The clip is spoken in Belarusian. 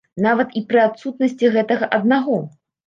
Нават і пры адсутнасці гэтага аднаго.